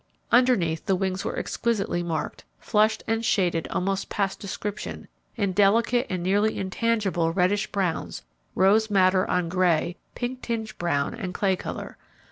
Underneath, the wings were exquisitely marked, flushed, and shaded almost past description in delicate and nearly intangible reddish browns, rose madder on grey, pink tinged brown and clay colour.